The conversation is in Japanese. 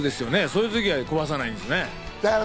そういう時は壊さないんですね。